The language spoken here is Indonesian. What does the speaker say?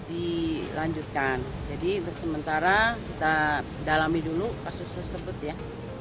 dilanjutkan jadi untuk sementara kita dalami dulu kasus tersebut ya